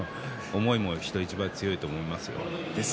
思いも人一倍強いと思いますよ。